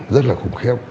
rất là khủng khiếp